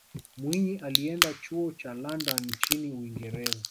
mwinyi alienda chuo cha london nchini uingereza